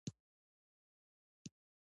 تنوع د افغانانو ژوند اغېزمن کوي.